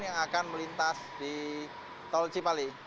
yang akan melintas di tol cipali